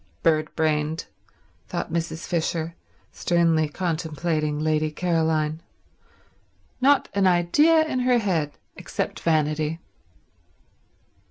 "Bird brained," thought Mrs. Fisher, sternly contemplating Lady Caroline. "Not an idea in her head except vanity."